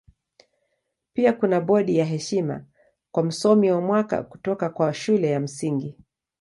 Pia kuna bodi ya heshima kwa Msomi wa Mwaka kutoka kwa Shule ya Msingi.